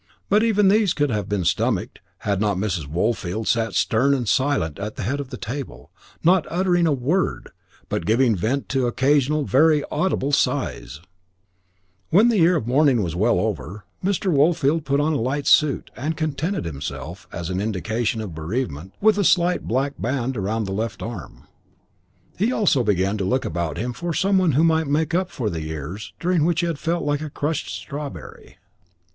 But even these could have been stomached, had not Mrs. Woolfield sat stern and silent at the head of the table, not uttering a word, but giving vent to occasional, very audible sighs. When the year of mourning was well over, Mr. Woolfield put on a light suit, and contented himself, as an indication of bereavement, with a slight black band round the left arm. He also began to look about him for someone who might make up for the years during which he had felt like a crushed strawberry.